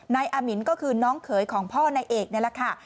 อามินก็คือน้องเขยของพ่อนายเอกนี่แหละค่ะ